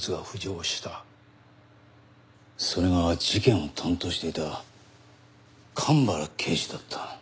それが事件を担当していた神原刑事だった。